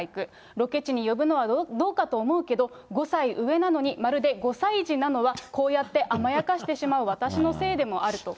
ロケ地に呼ぶのはどうかと思うけど、５歳上なのに、まるで５歳児なのは、こうやって甘やかしてしまう私のせいでもあると。